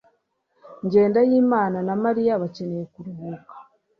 Jyendayimana na Mariya bakeneye kuruhuka